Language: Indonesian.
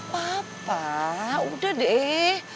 papa udah deh